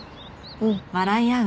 うん。